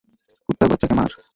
কুত্তার বাচ্চাকে মার।